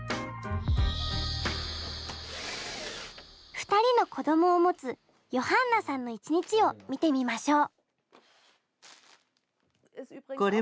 ２人の子供を持つヨハンナさんの一日を見てみましょう。